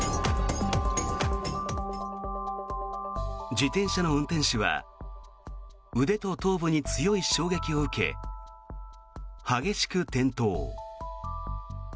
自転車の運転手は腕と頭部に強い衝撃を受け激しく転倒。